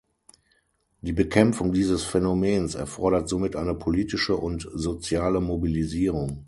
Die Bekämpfung dieses Phänomens erfordert somit eine politische und soziale Mobilisierung.